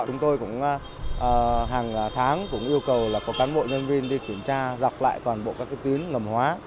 chúng tôi cũng hàng tháng cũng yêu cầu là có cán bộ nhân viên đi kiểm tra dọc lại toàn bộ các cái tín ngầm hóa